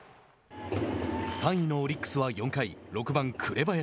３位のオリックスは４回６番紅林。